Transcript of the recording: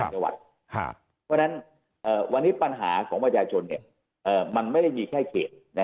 เพราะฉะนั้นวันนี้ปัญหาของประชาชนมันไม่ได้มีแค่เขต